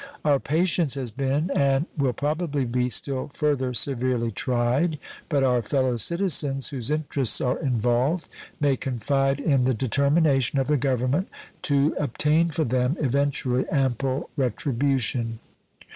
Our patience has been and will probably be still further severely tried, but our fellow citizens whose interests are involved may confide in the determination of the Government to obtain for them eventually ample retribution.